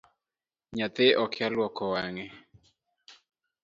Nyathi okia luoko wange.